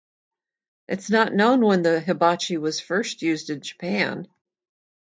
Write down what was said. It is not known when the hibachi was first used in Japan.